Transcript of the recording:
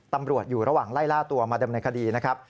ตำรวจอยู่ระหว่างไล่ล่าตัวมาดำเนินคดีนะครับ